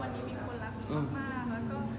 วันนี้มีคนรักหนูมาก